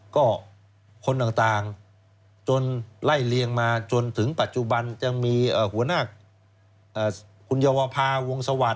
ก็คนต่างจนไล่เลียงมาจนถึงปัจจุบันจะมีหัวหน้าคุณเยาวภาวงศวรรค